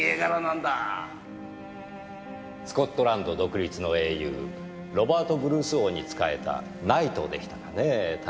スコットランド独立の英雄ロバート・ブルース王に仕えた騎士でしたかねぇ確か。